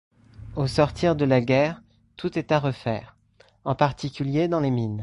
Au sortir de la guerre, tout est à refaire, en particulier dans les mines.